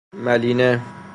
ملینه